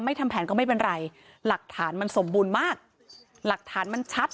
ทำแผนก็ไม่เป็นไรหลักฐานมันสมบูรณ์มากหลักฐานมันชัด